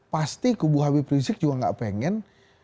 pasti kb prizik juga enggak pengen